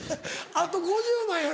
あと５０万やろ？